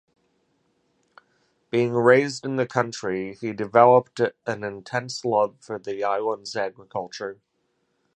Being raised in the country, he developed an intense love for the island's agriculture.